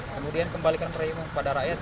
kemudian kembalikan premium kepada rakyat